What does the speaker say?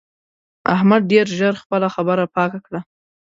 احمد ډېر ژر خپله خبره پاکه کړه.